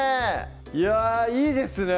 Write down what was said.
いやぁいいですね